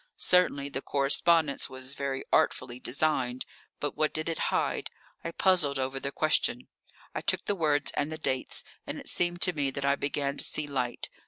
Certainly the correspondence was very artfully designed. But what did it hide? I puzzled over the question; I took the words and the dates, and it seemed to me that I began to see light.